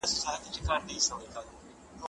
کمپيوټر د مخابراتو سره مرسته کوي.